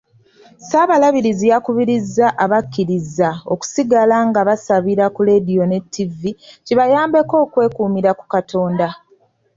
Ssaabalabirizi yakubirizza abakkiriza okusigala nga basabira ku leediyo ne ttivvi kibayambeko okwekuumira ku Katonda.